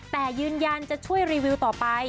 แต่ยืนยันจะช่วยรีวิวต่อไป